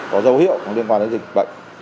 có dấu hiệu liên quan đến dịch bệnh